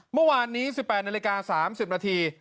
เมื่อวานนี้๑๘นาฬิกา๓๐นาที